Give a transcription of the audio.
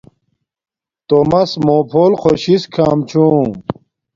تومس موہ پھول خوشس کھام چھوم